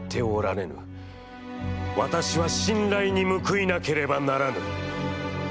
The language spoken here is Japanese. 私は、信頼に報いなければならぬ。